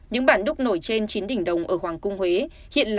những bản đúc nổi trên chín đỉnh đồng ở khoảng cung huế